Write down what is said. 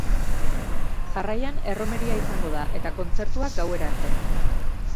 Jarraian, erromeria izango da eta kontzertuak gauera arte.